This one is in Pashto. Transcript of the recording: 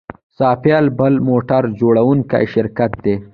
سایپا بل موټر جوړوونکی شرکت دی.